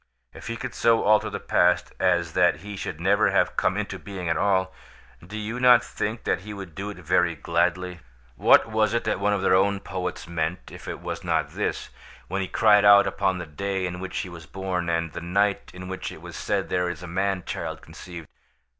If he could so alter the past as that he should never have come into being at all, do you not think that he would do it very gladly? "What was it that one of their own poets meant, if it was not this, when he cried out upon the day in which he was born, and the night in which it was said there is a man child conceived?